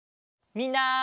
みんな。